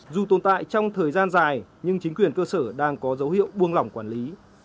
dù tồn tại trong thời gian dài nhưng chính quyền cơ sở đang có dấu hiệu buông lỏng quản lý